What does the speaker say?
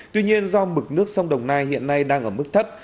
tuy nhiên do mực nước sông đồng nai hiện nay đang ở mức thấp